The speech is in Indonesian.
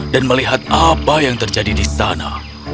dan melihat apa yang terjadi di sana